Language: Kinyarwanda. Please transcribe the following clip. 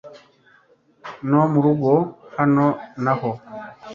no murugo. Hano na hano